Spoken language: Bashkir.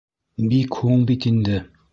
Бик һуң бит инде!